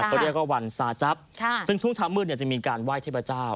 เขาเรียกว่าวันซาจั๊บซึ่งช่วงเช้ามืดจะมีการไหว้เทพเจ้า